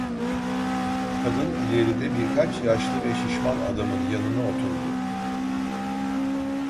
Kadın ileride birkaç yaşlı ve şişman adamın yanına oturdu.